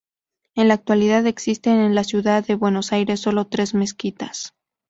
En la actualidad existen en la ciudad de Buenos Aires sólo tres mezquitas.